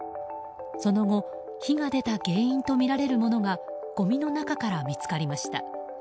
その後火が出た原因とみられるものがごみの中から見つかりました。